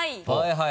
はい。